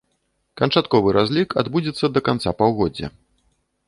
Канчатковы разлік адбудзецца да канца паўгоддзя.